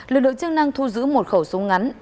lực lượng chức năng thu giữ một khẩu súng ngắn